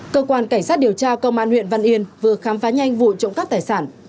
cơ quan cảnh sát điều tra công an huyện văn yên vừa khám phá nhanh vụ trộm cắp tài sản